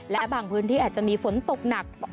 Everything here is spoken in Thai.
และบางพื้นที่อาจจะมีฝนตกหนัก